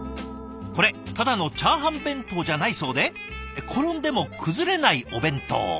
これただのチャーハン弁当じゃないそうで「転んでも崩れないお弁当」。